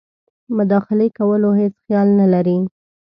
مداخلې کولو هیڅ خیال نه لري.